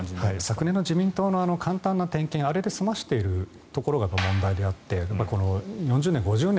昨年の自民党の点検あれで済ませているのが問題であって４０年、５０年